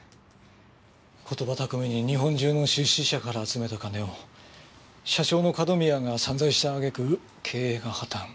言葉巧みに日本中の出資者から集めた金を社長の角宮が散財した揚げ句経営が破綻。